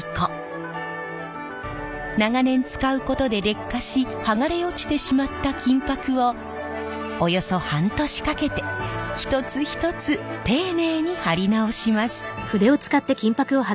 長年使うことで劣化し剥がれ落ちてしまった金箔をおよそ半年かけて一つ一つ丁寧に貼り直します。